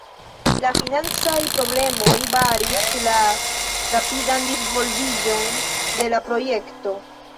La financaj problemoj baris la rapidan disvolviĝon de la projekto.